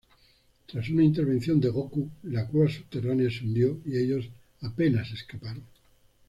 Tras una intervención de Gokū, la cueva subterránea se hundió y ellos apenas escaparon.